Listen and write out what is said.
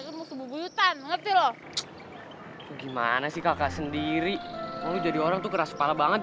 ilmu tebu buyutan ngerti loh gimana sih kakak sendiri mau jadi orang tuh keras kepala banget